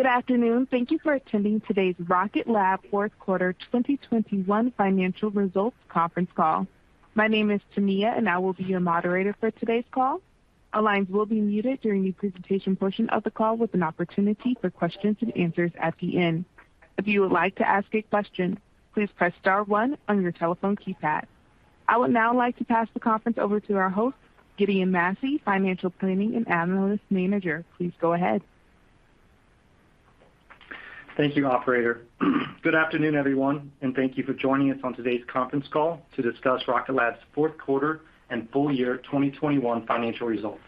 Good afternoon. Thank you for attending today's Rocket Lab Fourth Quarter 2021 Financial Results Conference Call. My name is Tamia, and I will be your moderator for today's call. All lines will be muted during the presentation portion of the call with an opportunity for questions and answers at the end. If you would like to ask a question, please press star one on your telephone keypad. I would now like to pass the conference over to our host, Gideon Massey, Financial Planning and Analyst Manager. Please go ahead. Thank you, operator. Good afternoon, everyone, and thank you for joining us on today's conference call to discuss Rocket Lab's Fourth Quarter and Full Year 2021 Financial Results.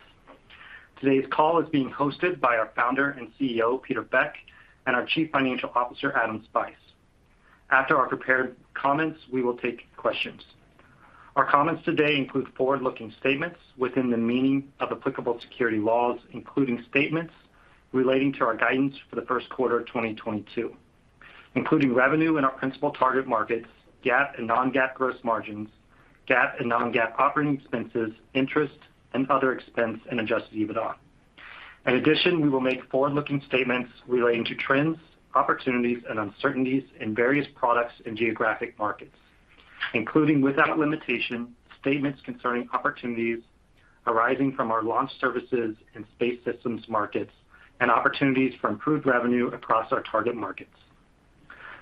Today's call is being hosted by our founder and CEO, Peter Beck, and our Chief Financial Officer, Adam Spice. After our prepared comments, we will take questions. Our comments today include forward-looking statements within the meaning of applicable security laws, including statements relating to our guidance for the first quarter of 2022, including revenue in our principal target markets, GAAP and non-GAAP gross margins, GAAP and non-GAAP operating expenses, interest and other expense and adjusted EBITDA. In addition, we will make forward-looking statements relating to trends, opportunities and uncertainties in various products and geographic markets, including, without limitation, statements concerning opportunities arising from our launch services and space systems markets and opportunities for improved revenue across our target markets.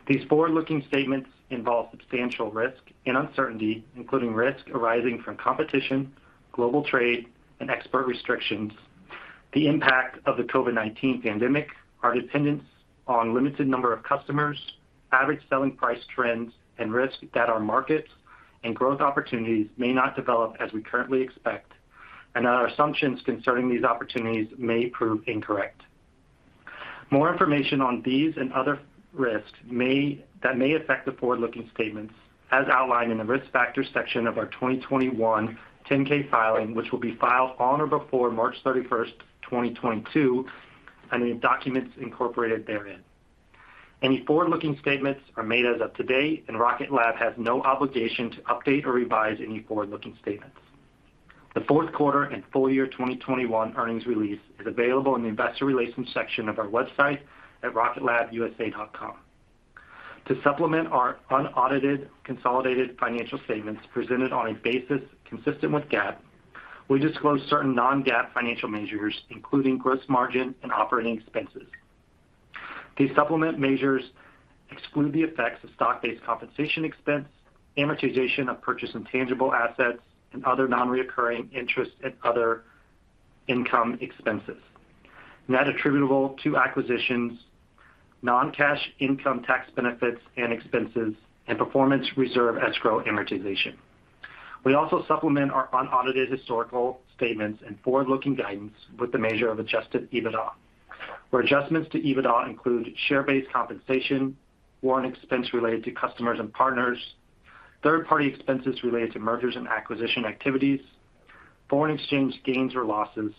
These forward-looking statements involve substantial risk and uncertainty, including risk arising from competition, global trade and export restrictions, the impact of the COVID-19 pandemic, our dependence on limited number of customers, average selling price trends and risk that our markets and growth opportunities may not develop as we currently expect and our assumptions concerning these opportunities may prove incorrect. More information on these and other risks that may affect the forward-looking statements as outlined in the Risk Factors section of our 2021 10-K filing, which will be filed on or before March 31, 2022, and any documents incorporated therein. Any forward-looking statements are made as of today, and Rocket Lab has no obligation to update or revise any forward-looking statements. The fourth quarter and full year 2021 earnings release is available in the Investor Relations section of our website at rocketlabusa.com. To supplement our unaudited consolidated financial statements presented on a basis consistent with GAAP, we disclose certain non-GAAP financial measures, including gross margin and operating expenses. These supplemental measures exclude the effects of stock-based compensation expense, amortization of purchased intangible assets and other non-recurring interest and other income expenses, net attributable to acquisitions, non-cash income tax benefits and expenses, and performance reserve escrow amortization. We also supplement our unaudited historical statements and forward-looking guidance with the measure of adjusted EBITDA, where adjustments to EBITDA include share-based compensation, warrant expense related to customers and partners, third-party expenses related to mergers and acquisitions activities, foreign exchange gains or losses,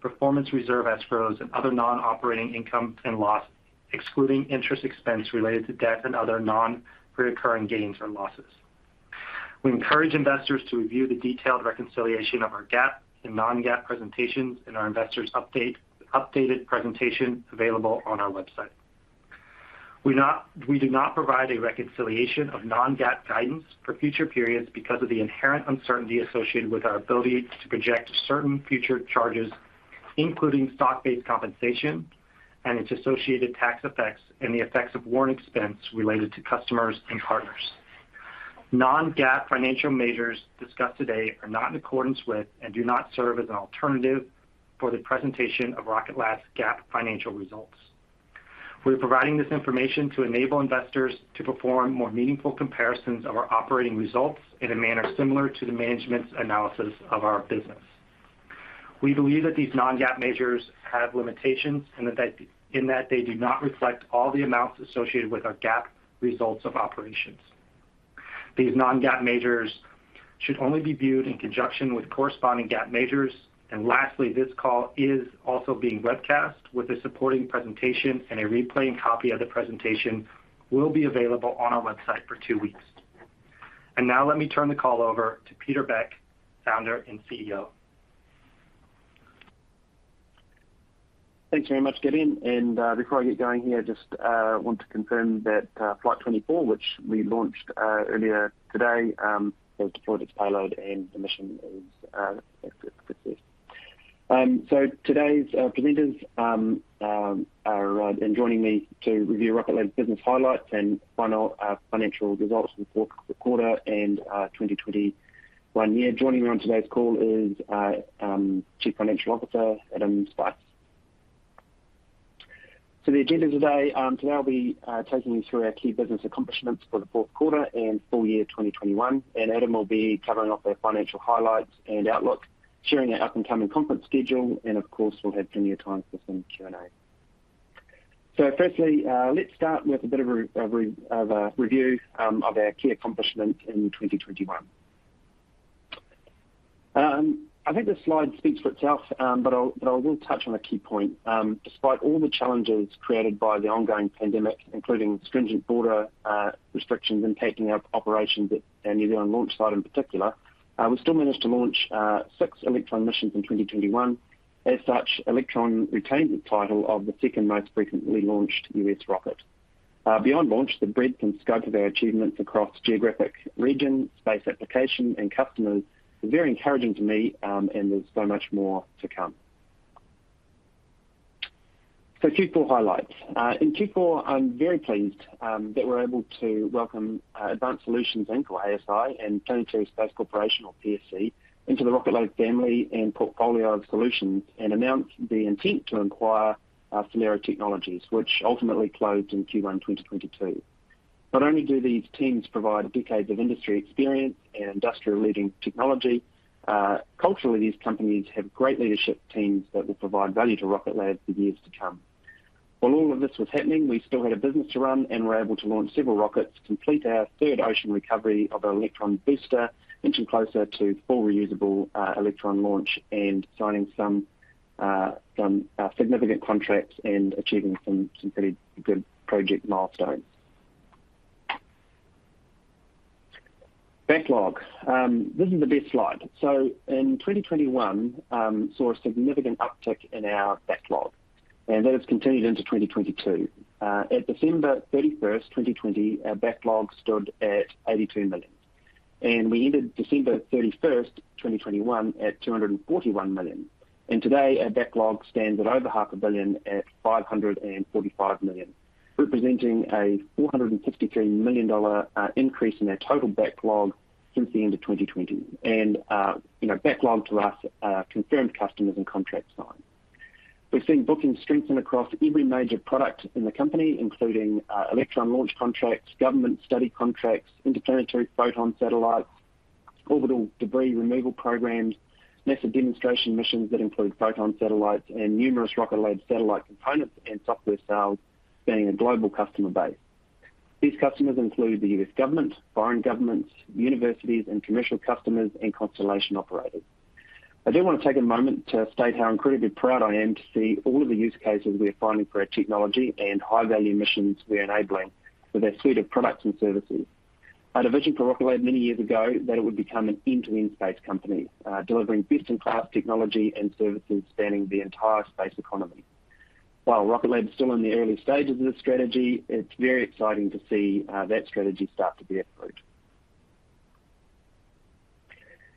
performance reserve escrows and other non-operating income and loss, excluding interest expense related to debt and other non-recurring gains or losses. We encourage investors to review the detailed reconciliation of our GAAP and non-GAAP presentations in our investors updated presentation available on our website. We do not provide a reconciliation of non-GAAP guidance for future periods because of the inherent uncertainty associated with our ability to project certain future charges, including stock-based compensation and its associated tax effects and the effects of warrant expense related to customers and partners. Non-GAAP financial measures discussed today are not in accordance with and do not serve as an alternative for the presentation of Rocket Lab's GAAP financial results. We're providing this information to enable investors to perform more meaningful comparisons of our operating results in a manner similar to the management's analysis of our business. We believe that these non-GAAP measures have limitations, and that they do not reflect all the amounts associated with our GAAP results of operations. These non-GAAP measures should only be viewed in conjunction with corresponding GAAP measures. Lastly, this call is also being webcast with a supporting presentation and a replay and copy of the presentation will be available on our website for two weeks. Now let me turn the call over to Peter Beck, Founder and CEO. Thanks very much, Gideon. Before I get going here, just want to confirm that Flight 24, which we launched earlier today, has deployed its payload and the mission is a success. Today's presenters are joining me to review Rocket Lab's business highlights and final financial results for the fourth quarter and 2021 year. Joining me on today's call is our Chief Financial Officer, Adam Spice. The agenda today I'll be taking you through our key business accomplishments for the fourth quarter and full year 2021, and Adam will be covering off our financial highlights and outlook, sharing our upcoming conference schedule, and of course, we'll have plenty of time for some Q&A. First, let's start with a bit of a review of our key accomplishments in 2021. I think this slide speaks for itself, but I will touch on a key point. Despite all the challenges created by the ongoing pandemic, including stringent border restrictions impacting our operations at our New Zealand launch site in particular, we still managed to launch six Electron missions in 2021. As such, Electron retained the title of the second most frequently launched U.S. rocket. Beyond launch, the breadth and scope of our achievements across geographic regions, space application, and customers are very encouraging to me, and there's so much more to come. Q4 highlights. In Q4, I'm very pleased that we're able to welcome Advanced Solutions, Inc., ASI, and Planetary Systems Corporation, or PSC, into the Rocket Lab family and portfolio of solutions, and announce the intent to acquire SolAero Technologies, which ultimately closed in Q1 2022. Not only do these teams provide decades of industry experience and industry-leading technology, culturally, these companies have great leadership teams that will provide value to Rocket Lab for years to come. While all of this was happening, we still had a business to run and were able to launch several rockets, complete our third ocean recovery of our Electron booster, inching closer to full reusability Electron launch, and signing some significant contracts and achieving some pretty good project milestones. Backlog. This is the best slide. In 2021, we saw a significant uptick in our backlog, and that has continued into 2022. At December 31, 2020, our backlog stood at $82 million. We ended December 31, 2021, at $241 million. Today, our backlog stands at over half a billion at $545 million, representing a $463 million increase in our total backlog since the end of 2020. You know, backlog to us are confirmed customers and contracts signed. We've seen bookings strengthen across every major product in the company, including Electron launch contracts, government study contracts, interplanetary Photon satellites, orbital debris removal programs, NASA demonstration missions that include Photon satellites and numerous Rocket Lab satellite components and software sales, spanning a global customer base. These customers include the U.S. government, foreign governments, universities, and commercial customers and constellation operators. I do wanna take a moment to state how incredibly proud I am to see all of the use cases we are finding for our technology and high-value missions we are enabling with our suite of products and services. I had a vision for Rocket Lab many years ago that it would become an end-to-end space company delivering best-in-class technology and services spanning the entire space economy. While Rocket Lab is still in the early stages of this strategy, it's very exciting to see that strategy start to bear fruit.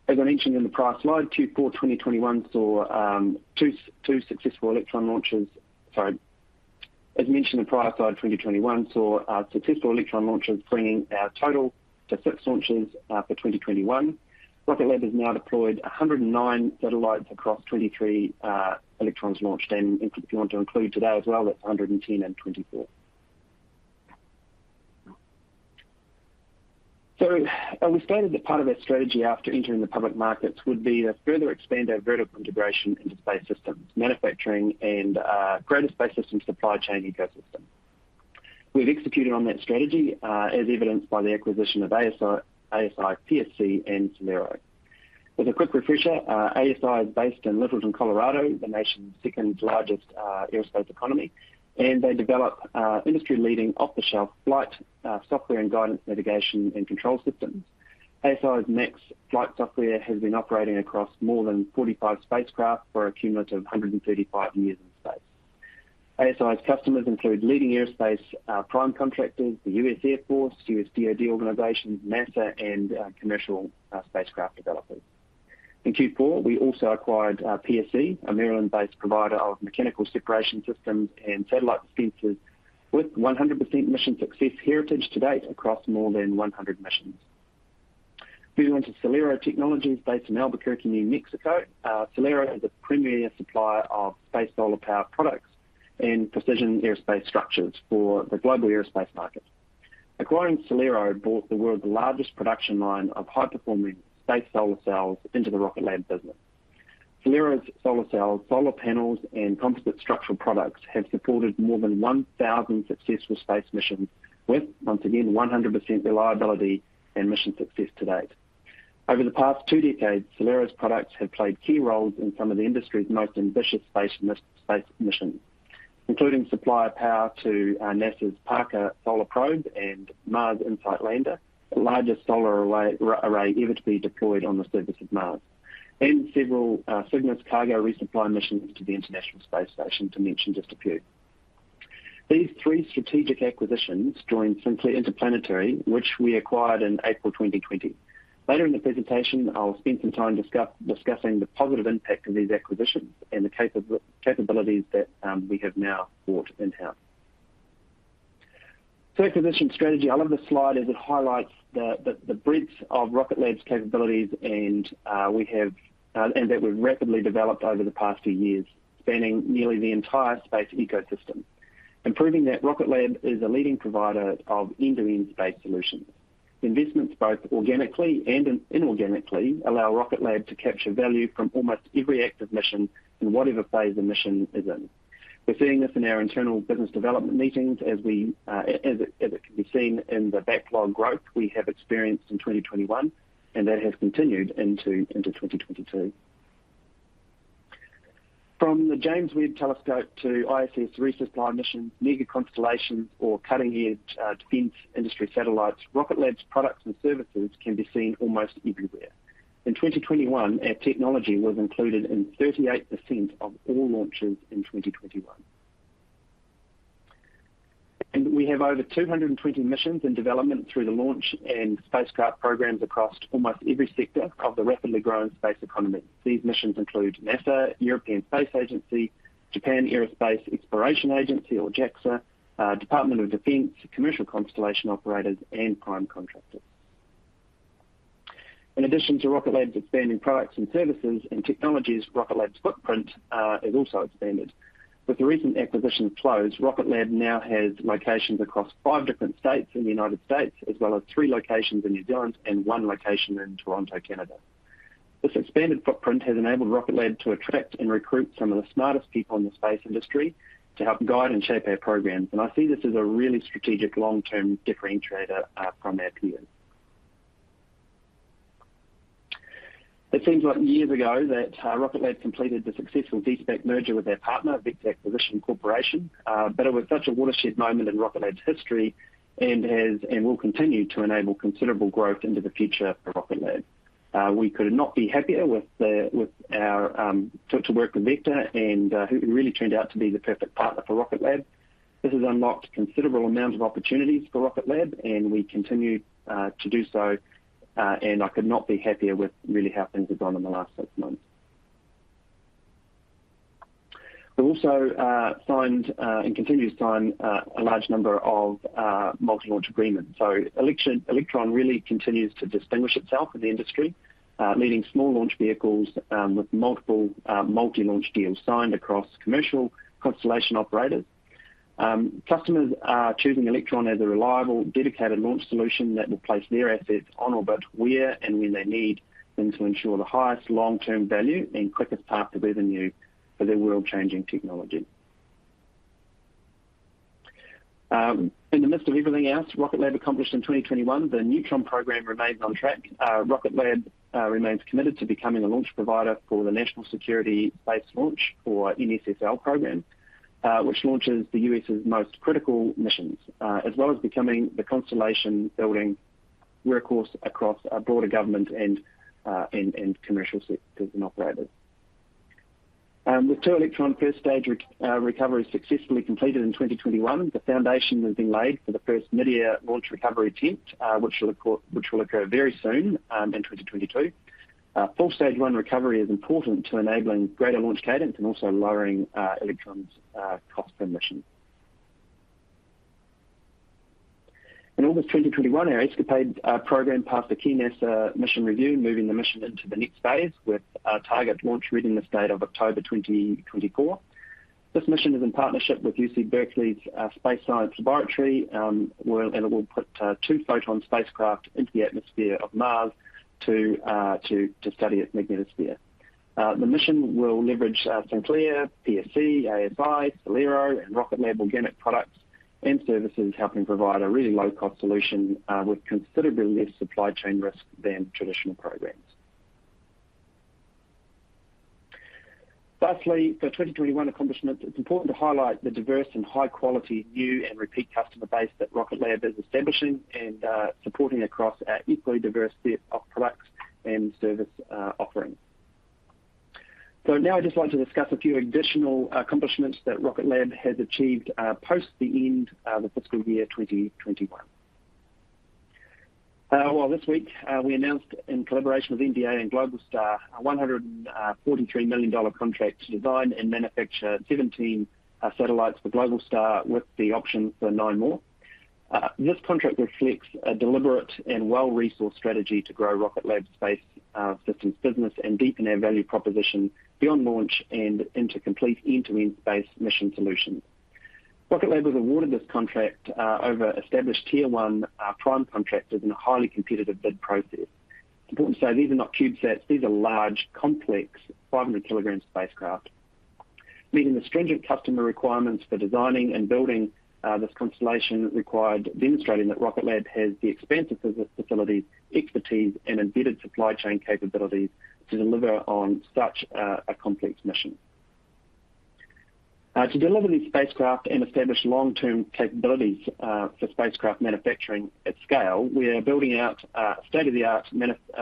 As mentioned in the prior slide, 2021 saw successful Electron launches, bringing our total to six launches for 2021. Rocket Lab has now deployed 109 satellites across 23 Electrons launched. If you want to include today as well, that's 110 and 24. As we stated that part of our strategy after entering the public markets would be to further expand our vertical integration into space systems, manufacturing and grow the space systems supply chain ecosystem. We've executed on that strategy as evidenced by the acquisition of ASI, PSC and SolAero. As a quick refresher, ASI is based in Littleton, Colorado, the nation's second largest aerospace economy, and they develop industry-leading off-the-shelf flight software and guidance, navigation, and control systems. ASI's MAX Flight Software has been operating across more than 45 spacecraft for a cumulative 135 years in space. ASI's customers include leading aerospace, prime contractors, the U.S. Air Force, U.S. DoD organizations, NASA, and commercial spacecraft developers. In Q4, we also acquired PSC, a Maryland-based provider of mechanical separation systems and satellite dispensers with 100% mission success heritage to date across more than 100 missions. Moving on to SolAero Technologies based in Albuquerque, New Mexico. SolAero is a premier supplier of space solar power products and precision aerospace structures for the global aerospace market. Acquiring SolAero brought the world's largest production line of high-performing space solar cells into the Rocket Lab business. SolAero's solar cells, solar panels, and composite structural products have supported more than 1,000 successful space missions with, once again, 100% reliability and mission success to date. Over the past two decades, SolAero's products have played key roles in some of the industry's most ambitious space missions, including supply of power to NASA's Parker Solar Probe and Mars InSight lander, the largest solar array ever to be deployed on the surface of Mars, and several Cygnus cargo resupply missions to the International Space Station, to mention just a few. These three strategic acquisitions join Sinclair Interplanetary, which we acquired in April 2020. Later in the presentation, I'll spend some time discussing the positive impact of these acquisitions and the capabilities that we have now brought in-house. Acquisition strategy. I love this slide as it highlights the breadth of Rocket Lab's capabilities, and that we've rapidly developed over the past few years, spanning nearly the entire space ecosystem, and proving that Rocket Lab is a leading provider of end-to-end space solutions. Investments both organically and inorganically allow Rocket Lab to capture value from almost every active mission in whatever phase the mission is in. We're seeing this in our internal business development meetings as it can be seen in the backlog growth we have experienced in 2021, and that has continued into 2022. From the James Webb Space Telescope to ISS resupply missions, mega constellations or cutting-edge defense industry satellites, Rocket Lab's products and services can be seen almost everywhere. In 2021, our technology was included in 38% of all launches in 2021. We have over 220 missions in development through the launch and spacecraft programs across almost every sector of the rapidly growing space economy. These missions include NASA, European Space Agency, Japan Aerospace Exploration Agency or JAXA, Department of Defense, commercial constellation operators, and prime contractors. In addition to Rocket Lab's expanding products and services and technologies, Rocket Lab's footprint has also expanded. With the recent acquisition close, Rocket Lab now has locations across five different states in the United States, as well as three locations in New Zealand and one location in Toronto, Canada. This expanded footprint has enabled Rocket Lab to attract and recruit some of the smartest people in the space industry to help guide and shape our programs. I see this as a really strategic long-term differentiator from our peers. It seems like years ago that Rocket Lab completed the successful de-SPAC merger with their partner, Vector Acquisition Corporation, but it was such a watershed moment in Rocket Lab's history and will continue to enable considerable growth into the future for Rocket Lab. We could not be happier to work with Vector and who really turned out to be the perfect partner for Rocket Lab. This has unlocked considerable amount of opportunities for Rocket Lab, and we continue to do so, and I could not be happier with really how things have gone in the last six months. We also signed and continue to sign a large number of multi-launch agreements. Electron really continues to distinguish itself in the industry, leading small launch vehicles, with multiple, multi-launch deals signed across commercial constellation operators. Customers are choosing Electron as a reliable, dedicated launch solution that will place their assets on orbit where and when they need them to ensure the highest long-term value and quickest path to revenue for their world-changing technology. In the midst of everything else Rocket Lab accomplished in 2021, the Neutron program remains on track. Rocket Lab remains committed to becoming a launch provider for the National Security Space Launch or NSSL program, which launches the U.S.'s most critical missions, as well as becoming the constellation building workhorse across a broader government and commercial sectors and operators. With two Electron first stage recovery successfully completed in 2021, the foundation has been laid for the first midair launch recovery attempt, which will occur very soon in 2022. Full stage one recovery is important to enabling greater launch cadence and also lowering Electron's cost per mission. In August 2021, our ESCAPADE program passed a key NASA mission review, moving the mission into the next phase with a target launch readiness date of October 2024. This mission is in partnership with UC Berkeley's Space Sciences Laboratory, and it will put two Photon spacecraft into the atmosphere of Mars to study its magnetosphere. The mission will leverage Sinclair, PSC, ASI, SolAero, and Rocket Lab organic products and services, helping provide a really low-cost solution with considerably less supply chain risk than traditional programs. Lastly, for 2021 accomplishments, it's important to highlight the diverse and high-quality new and repeat customer base that Rocket Lab is establishing and supporting across our equally diverse set of products and service offerings. Now I'd just like to discuss a few additional accomplishments that Rocket Lab has achieved post the end of the fiscal year 2021. Well, this week, we announced in collaboration with MDA and Globalstar a $143 million contract to design and manufacture 17 satellites for Globalstar with the option for nine more. This contract reflects a deliberate and well-resourced strategy to grow Rocket Lab's space systems business and deepen our value proposition beyond launch and into complete end-to-end space mission solutions. Rocket Lab was awarded this contract over established tier one prime contractors in a highly competitive bid process. It's important to say these are not CubeSats. These are large, complex, 500-kilogram spacecraft. Meeting the stringent customer requirements for designing and building this constellation required demonstrating that Rocket Lab has the expansive business facilities, expertise, and embedded supply chain capabilities to deliver on such a complex mission. To deliver these spacecraft and establish long-term capabilities for spacecraft manufacturing at scale, we are building out state-of-the-art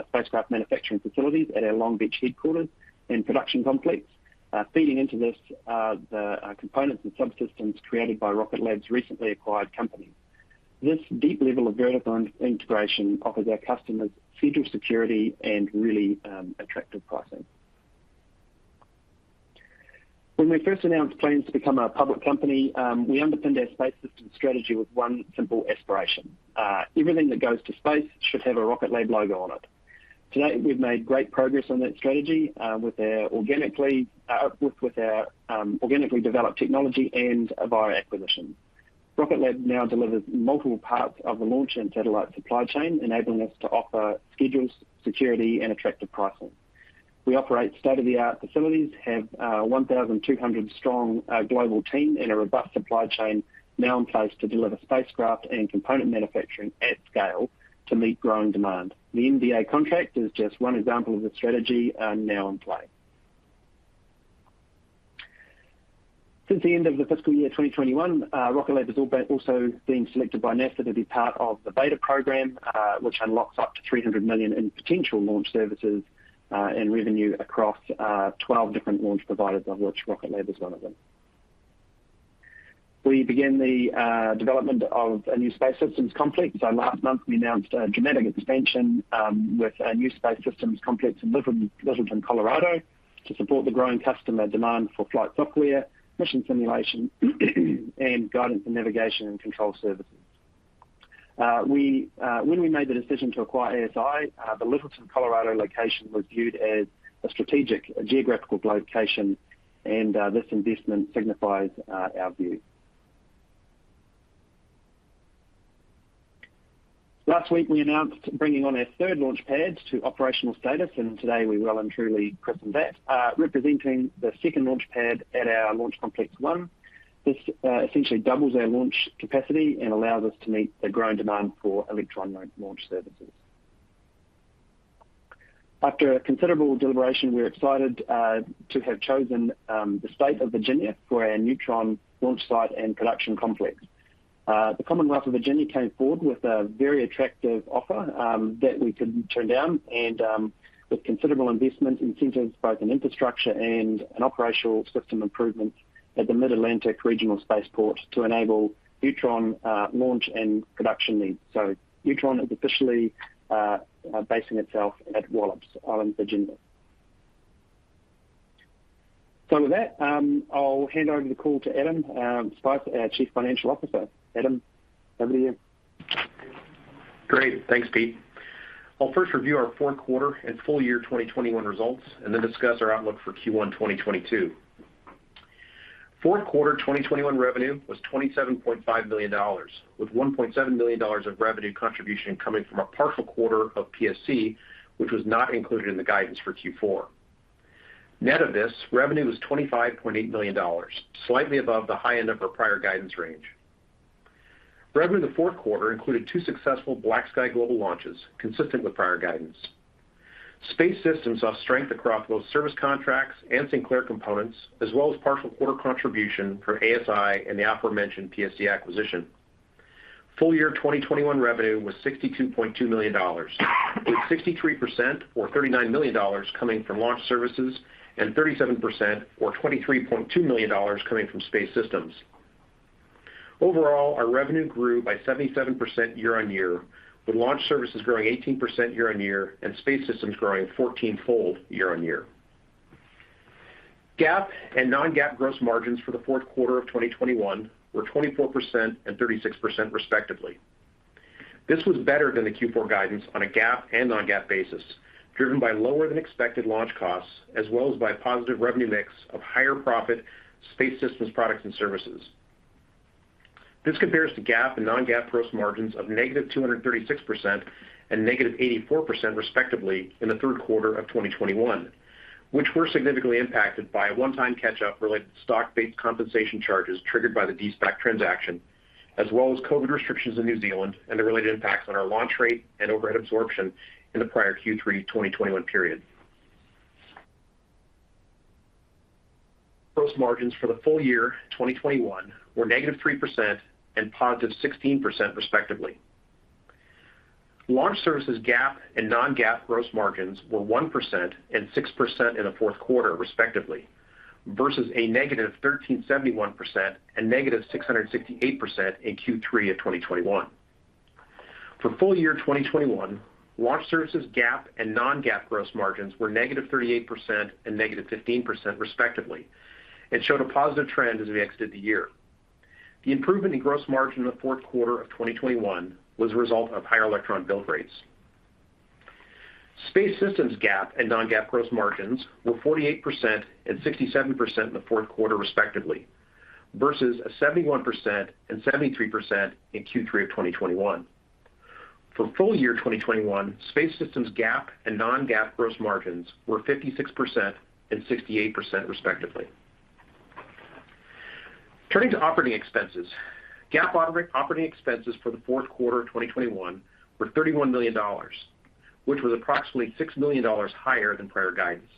spacecraft manufacturing facilities at our Long Beach headquarters and production complex. Feeding into this are the components and subsystems created by Rocket Lab's recently acquired companies. This deep level of vertical integration offers our customers preferred security and really attractive pricing. When we first announced plans to become a public company, we underpinned our space system strategy with one simple aspiration, everything that goes to space should have a Rocket Lab logo on it. To date, we've made great progress on that strategy with our organically developed technology and via acquisition. Rocket Lab now delivers multiple parts of the launch and satellite supply chain, enabling us to offer schedules, security, and attractive pricing. We operate state-of-the-art facilities, have a 1,200-strong global team, and a robust supply chain now in place to deliver spacecraft and component manufacturing at scale to meet growing demand. The MDA contract is just one example of the strategy now in play. Since the end of the fiscal year 2021, Rocket Lab has also been selected by NASA to be part of the VADR program, which unlocks up to $300 million in potential launch services and revenue across 12 different launch providers, of which Rocket Lab is one of them. We began the development of a new Space Systems complex. Last month, we announced a dramatic expansion with a new Space Systems complex in Littleton, Colorado, to support the growing customer demand for flight software, mission simulation, and guidance and navigation and control services. When we made the decision to acquire ASI, the Littleton, Colorado location was viewed as a strategic geographical location, and this investment signifies our view. Last week, we announced bringing on our third launch pad to operational status, and today we well and truly christened that, representing the second launch pad at our Launch Complex One. This essentially doubles our launch capacity and allows us to meet the growing demand for Electron launch services. After a considerable deliberation, we're excited to have chosen the state of Virginia for our Neutron launch site and production complex. The Commonwealth of Virginia came forward with a very attractive offer that we couldn't turn down and with considerable investment incentives, both in infrastructure and in operational system improvements at the Mid-Atlantic Regional Spaceport to enable Neutron launch and production needs. Neutron is officially basing itself at Wallops Island, Virginia. With that, I'll hand over the call to Adam Spice, our Chief Financial Officer. Adam, over to you. Great. Thanks, Pete. I'll first review our fourth quarter and full year 2021 results and then discuss our outlook for Q1 2022. Fourth quarter 2021 revenue was $27.5 million, with $1.7 million of revenue contribution coming from a partial quarter of PSC, which was not included in the guidance for Q4. Net of this, revenue was $25.8 million, slightly above the high end of our prior guidance range. Revenue in the fourth quarter included 2 successful BlackSky launches, consistent with prior guidance. Space Systems saw strength across both service contracts and Sinclair components, as well as partial quarter contribution for ASI and the aforementioned PSC acquisition. Full year 2021 revenue was $62.2 million, with 63% or $39 million coming from launch services and 37% or $23.2 million coming from Space Systems. Overall, our revenue grew by 77% year-on-year, with launch services growing 18% year-on-year and Space Systems growing 14-fold year-on-year. GAAP and non-GAAP gross margins for the fourth quarter of 2021 were 24% and 36% respectively. This was better than the Q4 guidance on a GAAP and non-GAAP basis, driven by lower than expected launch costs, as well as by positive revenue mix of higher profit Space Systems products and services. This compares to GAAP and non-GAAP gross margins of -236% and -84%, respectively, in the third quarter of 2021. Which were significantly impacted by a one-time catch-up related to stock-based compensation charges triggered by the de-SPAC transaction, as well as COVID restrictions in New Zealand and the related impacts on our launch rate and overhead absorption in the prior Q3 2021 period. Gross margins for the full year 2021 were -3% and 16%, respectively. Launch services GAAP and non-GAAP gross margins were 1% and 6% in the fourth quarter, respectively, versus a -1,371% and -668% in Q3 of 2021. For full year 2021, launch services GAAP and non-GAAP gross margins were -38% and -15%, respectively, and showed a positive trend as we exited the year. The improvement in gross margin in the fourth quarter of 2021 was a result of higher Electron bill rates. Space Systems GAAP and non-GAAP gross margins were 48% and 67% in the fourth quarter, respectively, versus 71% and 73% in Q3 of 2021. For full year 2021, Space Systems GAAP and non-GAAP gross margins were 56% and 68%, respectively. Turning to operating expenses. GAAP operating expenses for the fourth quarter of 2021 were $31 million, which was approximately $6 million higher than prior guidance,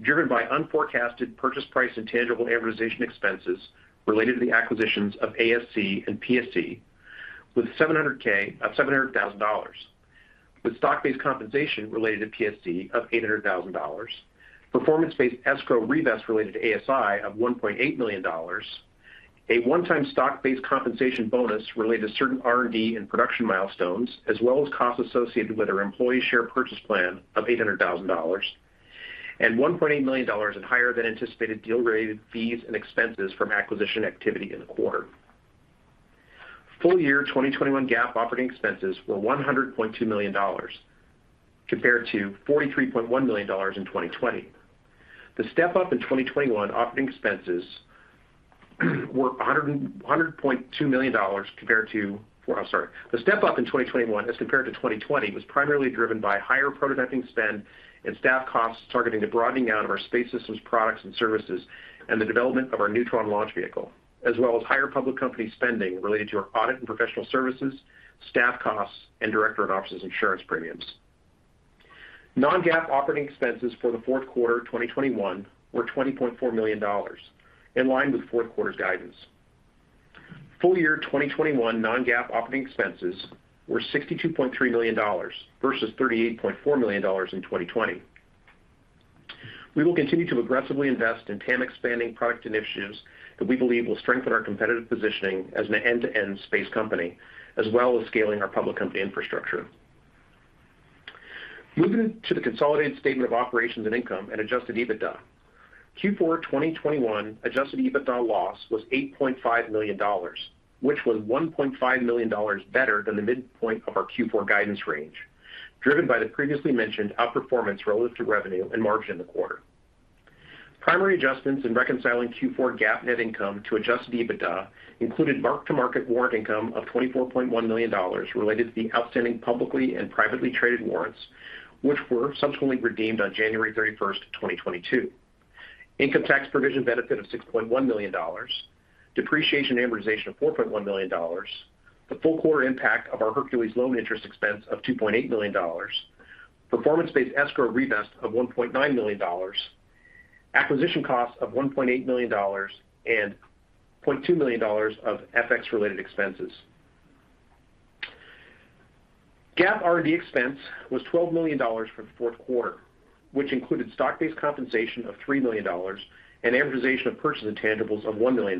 driven by unforecasted purchase price and tangible amortization expenses related to the acquisitions of ASI and PSC with $700,000. With stock-based compensation related to PSC of $800,000, performance-based escrow revest related to ASI of $1.8 million. A one-time stock-based compensation bonus related to certain R&D and production milestones, as well as costs associated with our employee share purchase plan of $800,000. $1.8 million in higher than anticipated deal-related fees and expenses from acquisition activity in the quarter. Full year 2021 GAAP operating expenses were $100.2 million compared to $43.1 million in 2020. The step-up in 2021 as compared to 2020 was primarily driven by higher prototyping spend and staff costs targeting the broadening out of our Space Systems products and services and the development of our Neutron launch vehicle. Higher public company spending related to our audit and professional services, staff costs, and directors and officers insurance premiums. Non-GAAP operating expenses for the fourth quarter 2021 were $20.4 million, in line with fourth quarter guidance. Full year 2021 non-GAAP operating expenses were $62.3 million versus $38.4 million in 2020. We will continue to aggressively invest in TAM expanding product initiatives that we believe will strengthen our competitive positioning as an end-to-end space company, as well as scaling our public company infrastructure. Moving to the consolidated statement of operations and income and adjusted EBITDA. Q4 2021 adjusted EBITDA loss was $8.5 million, which was $1.5 million better than the midpoint of our Q4 guidance range, driven by the previously mentioned outperformance relative to revenue and margin in the quarter. Primary adjustments in reconciling Q4 GAAP net income to adjusted EBITDA included mark-to-market warrant income of $24.1 million related to the outstanding publicly and privately traded warrants, which were subsequently redeemed on January 31st, 2022. Income tax provision benefit of $6.1 million, depreciation and amortization of $4.1 million, the full quarter impact of our Hercules loan interest expense of $2.8 million, performance-based escrow revest of $1.9 million, acquisition costs of $1.8 million, and $0.2 million of FX-related expenses. GAAP R&D expense was $12 million for the fourth quarter, which included stock-based compensation of $3 million and amortization of purchased intangibles of $1 million,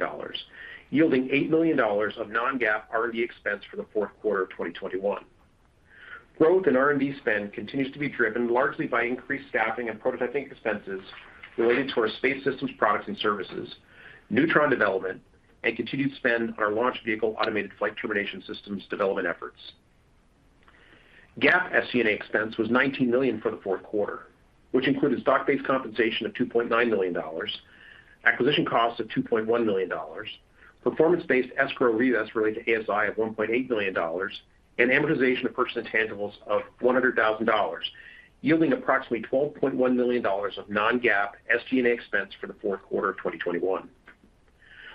yielding $8 million of non-GAAP R&D expense for the fourth quarter of 2021. Growth in R&D spend continues to be driven largely by increased staffing and prototyping expenses related to our space systems products and services, Neutron development, and continued spend on our launch vehicle automated flight termination systems development efforts. GAAP SG&A expense was $19 million for the fourth quarter, which included stock-based compensation of $2.9 million, acquisition costs of $2.1 million, performance-based escrow revest related to ASI of $1.8 million, and amortization of purchased intangibles of $100,000, yielding approximately $12.1 million of non-GAAP SG&A expense for the fourth quarter of 2021.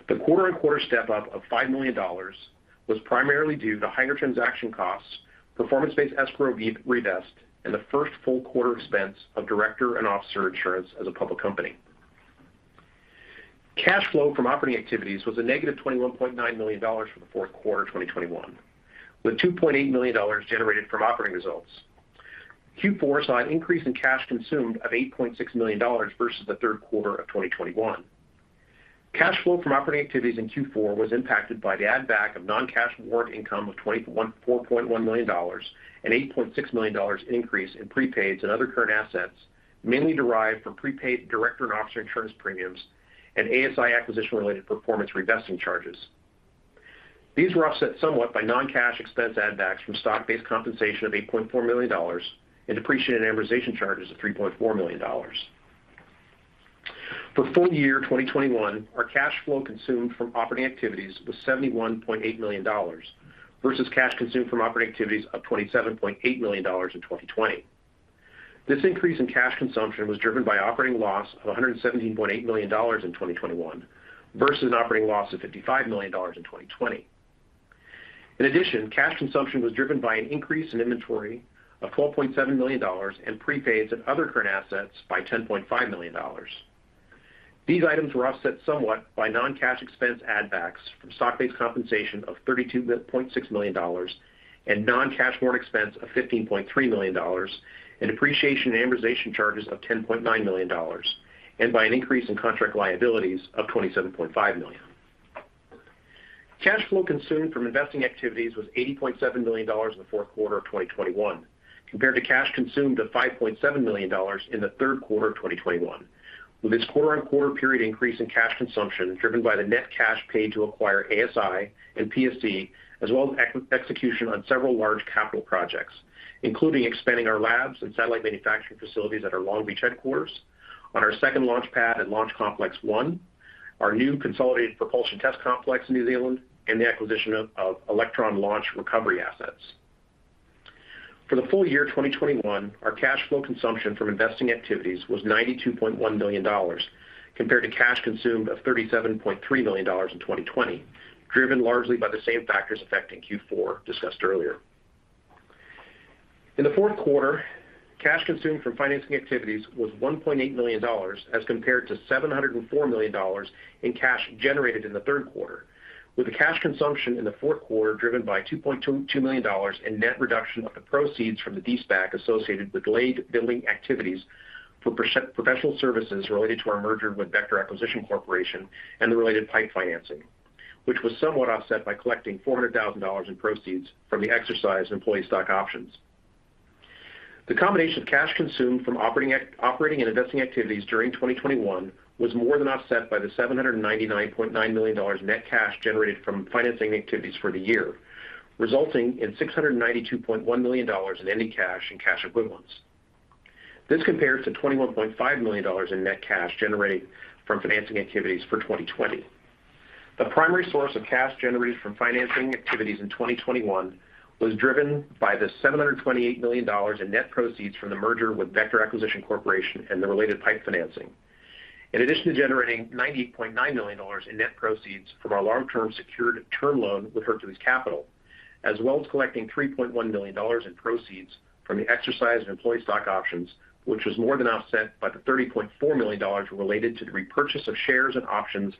The quarter-on-quarter step-up of $5 million was primarily due to higher transaction costs, performance-based escrow revest, and the first full quarter expense of directors and officers insurance as a public company. Cash flow from operating activities was a negative $21.9 million for the fourth quarter of 2021, with $2.8 million generated from operating results. Q4 saw an increase in cash consumed of $8.6 million versus the third quarter of 2021. Cash flow from operating activities in Q4 was impacted by the add back of non-cash warrant income of $4.1 million and $8.6 million increase in prepaids and other current assets, mainly derived from prepaid directors and officers insurance premiums and ASI acquisition-related performance reserve escrow. These were offset somewhat by non-cash expense add backs from stock-based compensation of $8.4 million and depreciation and amortization charges of $3.4 million. For full year 2021, our cash flow consumed from operating activities was $71.8 million versus cash consumed from operating activities of $27.8 million in 2020. This increase in cash consumption was driven by operating loss of $117.8 million in 2021 versus an operating loss of $55 million in 2020. In addition, cash consumption was driven by an increase in inventory of $12.7 million and prepaids and other current assets by $10.5 million. These items were offset somewhat by non-cash expense add backs from stock-based compensation of $32.6 million and non-cash warrant expense of $15.3 million and depreciation and amortization charges of $10.9 million, and by an increase in contract liabilities of $27.5 million. Cash flow consumed from investing activities was $80.7 million in the fourth quarter of 2021, compared to cash consumed of $5.7 million in the third quarter of 2021, with this quarter-on-quarter period increase in cash consumption driven by the net cash paid to acquire ASI and PSC, as well as execution on several large capital projects, including expanding our labs and satellite manufacturing facilities at our Long Beach headquarters, our second launch pad at Launch Complex 1, our new consolidated propulsion test complex in New Zealand, and the acquisition of Electron launch recovery assets. For the full year 2021, our cash flow consumption from investing activities was $92.1 million, compared to cash consumed of $37.3 million in 2020, driven largely by the same factors affecting Q4 discussed earlier. In the fourth quarter, cash consumed from financing activities was $1.8 million as compared to $704 million in cash generated in the third quarter, with the cash consumption in the fourth quarter driven by $2.22 million in net reduction of the proceeds from the de-SPAC associated with delayed billing activities for professional services related to our merger with Vector Acquisition Corporation and the related PIPE financing, which was somewhat offset by collecting $400,000 in proceeds from the exercised employee stock options. The combination of cash consumed from operating and investing activities during 2021 was more than offset by the $799.9 million net cash generated from financing activities for the year, resulting in $692.1 million in ending cash and cash equivalents. This compares to $21.5 million in net cash generated from financing activities for 2020. The primary source of cash generated from financing activities in 2021 was driven by the $728 million in net proceeds from the merger with Vector Acquisition Corporation and the related PIPE financing. In addition to generating $90.9 million in net proceeds from our long-term secured term loan with Hercules Capital, as well as collecting $3.1 million in proceeds from the exercise of employee stock options, which was more than offset by the $30.4 million related to the repurchase of shares and options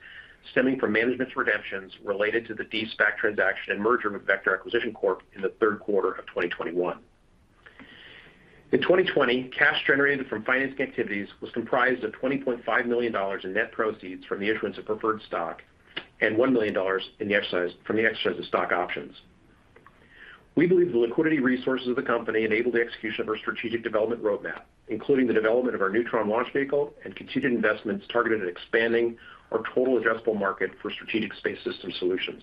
stemming from management's redemptions related to the de-SPAC transaction and merger with Vector Acquisition Corp in the third quarter of 2021. In 2020, cash generated from financing activities was comprised of $20.5 million in net proceeds from the issuance of preferred stock and $1 million from the exercise of stock options. We believe the liquidity resources of the company enable the execution of our strategic development roadmap, including the development of our Neutron launch vehicle and continued investments targeted at expanding our total addressable market for strategic space system solutions.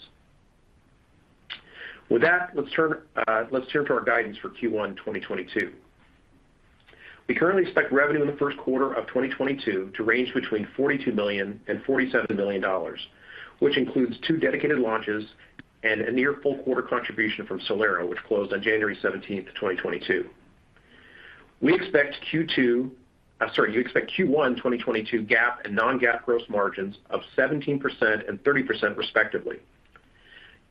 With that, let's turn to our guidance for Q1 2022. We currently expect revenue in the first quarter of 2022 to range between $42 million and $47 million, which includes two dedicated launches and a near full quarter contribution from SolAero, which closed on January 17, 2022. We expect Q2. I'm sorry. We expect Q1 2022 GAAP and non-GAAP gross margins of 17% and 30% respectively.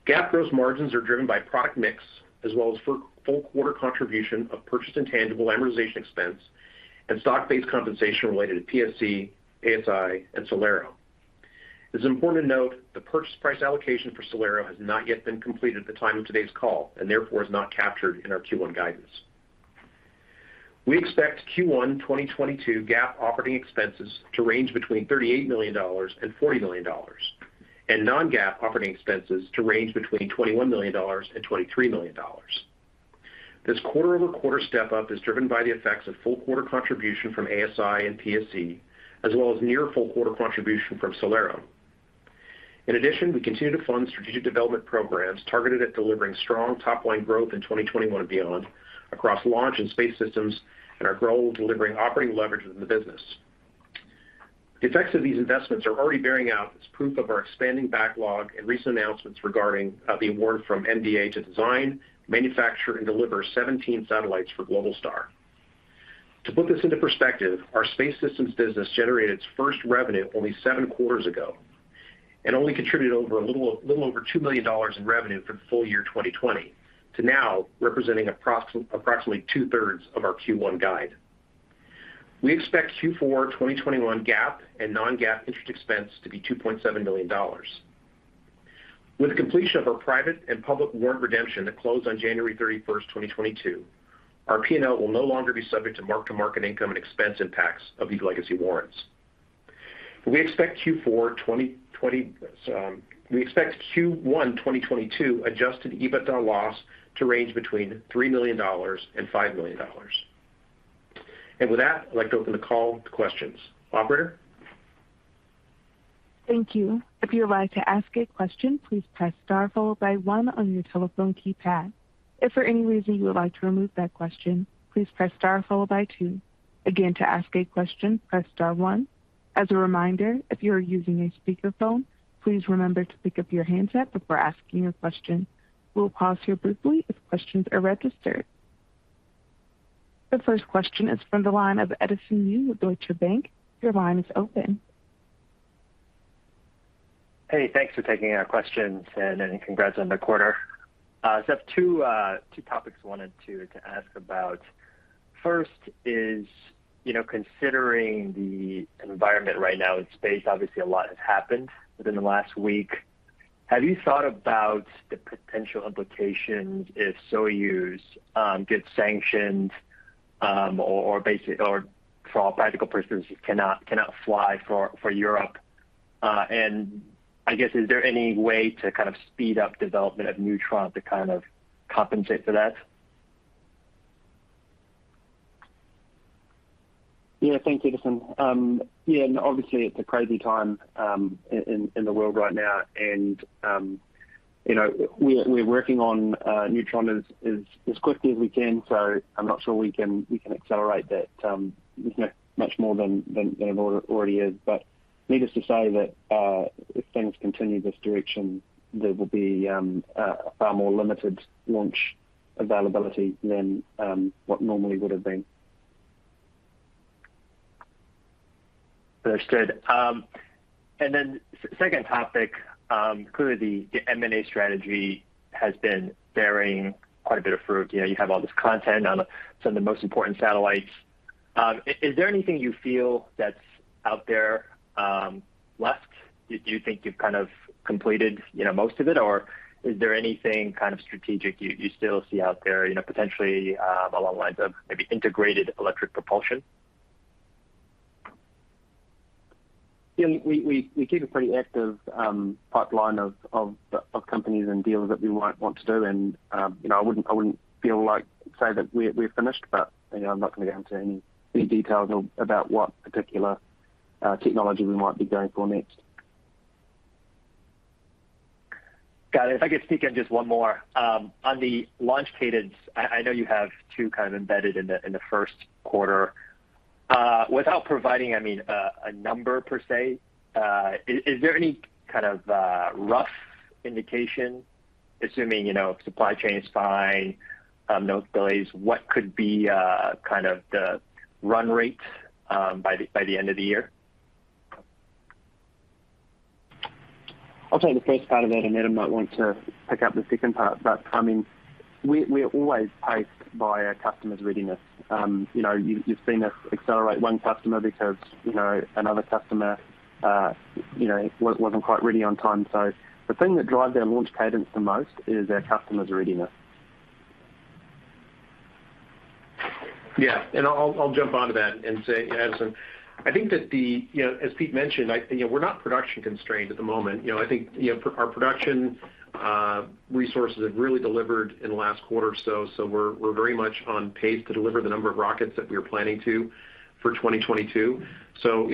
GAAP gross margins are driven by product mix as well as full quarter contribution of purchased intangible amortization expense and stock-based compensation related to PSC, ASI, and SolAero. It's important to note, the purchase price allocation for SolAero has not yet been completed at the time of today's call and therefore is not captured in our Q1 guidance. We expect Q1 2022 GAAP operating expenses to range between $38 million-$40 million, and non-GAAP operating expenses to range between $21 million-$23 million. This quarter-over-quarter step-up is driven by the effects of full quarter contribution from ASI and PSC, as well as near full quarter contribution from SolAero. In addition, we continue to fund strategic development programs targeted at delivering strong top-line growth in 2021 and beyond across launch and space systems and our goal of delivering operating leverage in the business. The effects of these investments are already bearing out as proof of our expanding backlog and recent announcements regarding the award from MDA to design, manufacture, and deliver 17 satellites for Globalstar. To put this into perspective, our space systems business generated its first revenue only seven quarters ago and only contributed a little over $2 million in revenue for the full year 2020 to now representing approximately two-thirds of our Q1 guide. We expect Q4 2021 GAAP and non-GAAP interest expense to be $2.7 million. With the completion of our private and public warrant redemption that closed on January 31, 2022, our P&L will no longer be subject to mark-to-market income and expense impacts of these legacy warrants. We expect Q1 2022 adjusted EBITDA loss to range between $3 million and $5 million. With that, I'd like to open the call to questions. Operator? Thank you. If you would like to ask a question, please press star followed by one on your telephone keypad. If for any reason you would like to remove that question, please press star followed by two. Again, to ask a question, press star one. As a reminder, if you are using a speakerphone, please remember to pick up your handset before asking a question. We'll pause here briefly if questions are registered. The first question is from the line of Edison Yu of Deutsche Bank. Your line is open. Hey, thanks for taking our questions and congrats on the quarter. So I have two topics I wanted to ask about. First is, considering the environment right now in space, obviously a lot has happened within the last week. Have you thought about the potential implications if Soyuz gets sanctioned or, for all practical purposes, cannot fly for Europe? I guess is there any way to kind of speed up development of Neutron to kind of compensate for that? Yeah. Thanks, Edison. Yeah, obviously it's a crazy time in the world right now. You know, we're working on Neutron as quickly as we can, so I'm not sure we can accelerate that much more than it already is. Needless to say that if things continue this direction, there will be a far more limited launch availability than what normally would have been. Understood. Second topic. Clearly the M&A strategy has been bearing quite a bit of fruit. You know, you have all this content on some of the most important satellites. Is there anything you feel that's out there left? Do you think you've kind of completed, you know, most of it, or is there anything kind of strategic you still see out there, you know, potentially along the lines of maybe integrated electric propulsion? Yeah. We keep a pretty active pipeline of companies and deals that we might want to do, and you know, I wouldn't feel like we're finished, but you know, I'm not gonna get into any details about what particular technology we might be going for next. Got it. If I could sneak in just one more. On the launch cadence, I know you have two kind of embedded in the first quarter. Without providing, I mean, a number per se, is there any kind of rough indication. Assuming you know, supply chain is fine, no delays, what could be kind of the run rate by the end of the year? I'll take the first part of that, and Adam might want to pick up the second part. I mean, we're always paced by our customers' readiness. You know, you've seen us accelerate one customer because, you know, another customer, you know, wasn't quite ready on time. The thing that drives our launch cadence the most is our customers' readiness. Yeah. I'll jump onto that and say, Edison, I think that the... AS Peter mentioned, you know, we're not production constrained at the moment. You know, I think our production resources have really delivered in the last quarter or so we're very much on pace to deliver the number of rockets that we are planning to for 2022.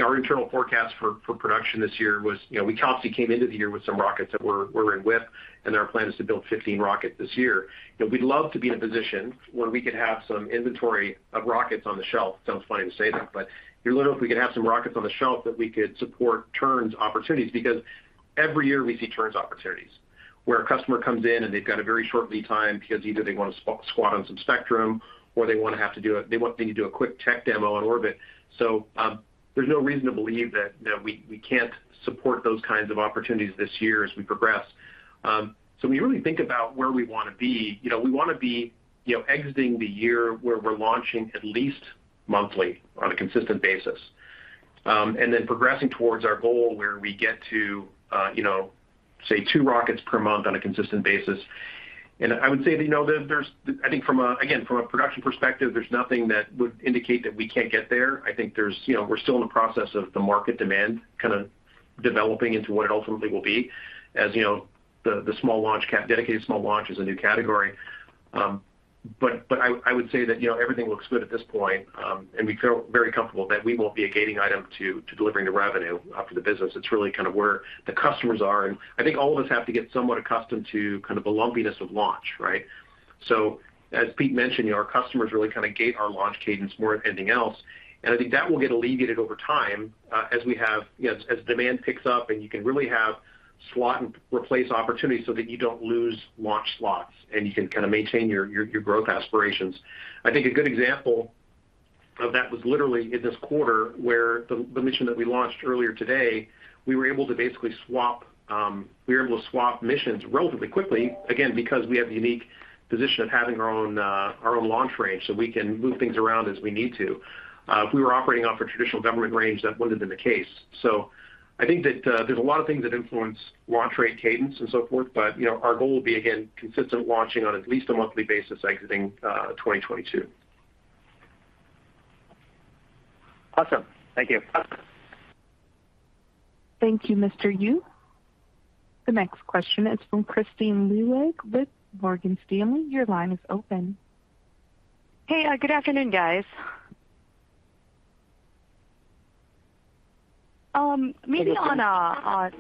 Our internal forecast for production this year was, you know, we obviously came into the year with some rockets that we're in WIP, and our plan is to build 15 rockets this year. You know, we'd love to be in a position where we could have some inventory of rockets on the shelf. Sounds funny to say that, but literally, if we could have some rockets on the shelf that we could support turns opportunities. Because every year we see turn opportunities, where a customer comes in and they've got a very short lead time because either they want to slot on some spectrum or they want me to do a quick tech demo on orbit. There's no reason to believe that we can't support those kinds of opportunities this year as we progress. When you really think about where we wanna be, you know, we wanna be exiting the year where we're launching at least monthly on a consistent basis. Progressing towards our goal where we get to, you know, say two rockets per month on a consistent basis. I would say that, you know, there's I think from again from a production perspective, there's nothing that would indicate that we can't get there. I think there's you know we're still in the process of the market demand kind of developing into what it ultimately will be. As you know, the small launch dedicated small launch is a new category. But I would say that you know everything looks good at this point and we feel very comfortable that we won't be a gating item to delivering the revenue up to the business. It's really kind of where the customers are. I think all of us have to get somewhat accustomed to kind of the lumpiness of launch, right? As Pete mentioned, you know our customers really kind of gate our launch cadence more than anything else. I think that will get alleviated over time, as we have, you know, as demand picks up and you can really have slot and replace opportunities so that you don't lose launch slots, and you can kind of maintain your growth aspirations. I think a good example of that was literally in this quarter where the mission that we launched earlier today, we were able to basically swap missions relatively quickly, again, because we have the unique position of having our own launch range, so we can move things around as we need to. If we were operating off a traditional government range, that wouldn't have been the case. I think that there's a lot of things that influence launch rate cadence and so forth, but you know, our goal will be, again, consistent launching on at least a monthly basis exiting 2022. Awesome. Thank you. Thank you, Mr. Yu. The next question is from Kristine Liwag with Morgan Stanley. Your line is open. Hey, good afternoon guys. Maybe on-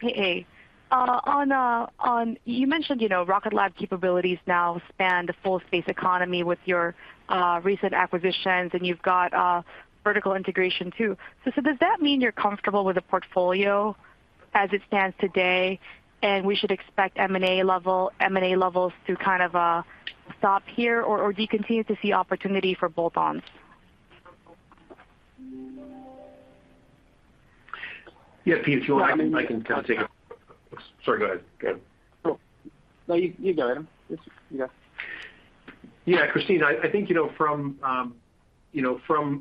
Hey, Christine. Hey. You mentioned, you know, Rocket Lab capabilities now span the full space economy with your recent acquisitions, and you've got vertical integration too. So does that mean you're comfortable with the portfolio as it stands today, and we should expect M&A levels to kind of stop here or do you continue to see opportunity for bolt-ons? Yeah. Pete, if you want, I can kind of take a- No, I mean. Sorry, go ahead. Go ahead. No, you go, Adam. It's you go. Yeah. Kristine, I think you know from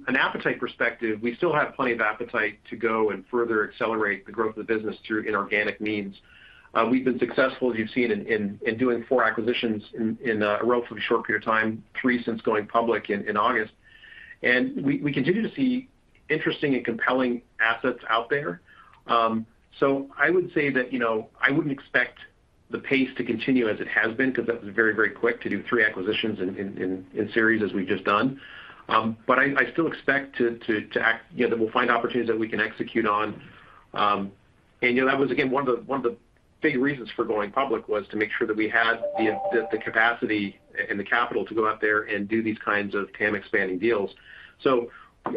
an appetite perspective, we still have plenty of appetite to go and further accelerate the growth of the business through inorganic means. We've been successful, as you've seen in doing four acquisitions in a relatively short period of time, three since going public in August. We continue to see interesting and compelling assets out there. I would say that you know I wouldn't expect the pace to continue as it has been because that was very quick to do three acquisitions in series as we've just done. I still expect to act, you know, that we'll find opportunities that we can execute on. You know, that was again one of the big reasons for going public was to make sure that we had the capacity and the capital to go out there and do these kinds of TAM expanding deals.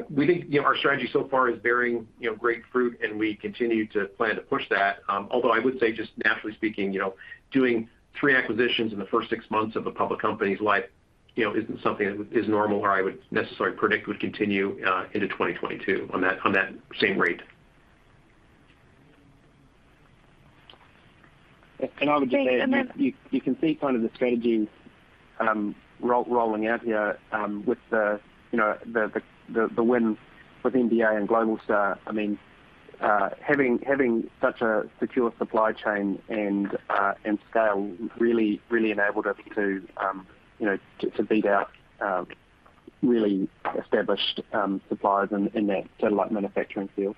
We think, you know, our strategy so far is bearing, you know, great fruit and we continue to plan to push that. Although I would say just naturally speaking, you know, doing three acquisitions in the first six months of a public company's life, you know, isn't something that is normal or I would necessarily predict would continue into 2022 on that same rate. I would just say. Great. You can see kind of the strategy rolling out here with, you know, the win with MDA and Globalstar. I mean, having such a secure supply chain and scale really enabled us to, you know, to beat out really established suppliers in that satellite manufacturing field.